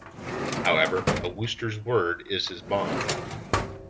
However, a Wooster's word is his bond.